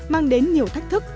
mang đến nhiều thách thức